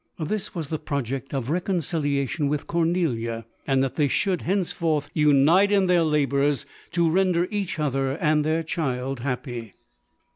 This was the project of a reconcilia tion with Cornelia, and that they should hence forth unite in their labours to render each other and their child happy.